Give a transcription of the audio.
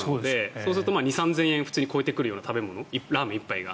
そうすると２０００３０００円を普通に超えてくる食べ物ラーメン１杯が。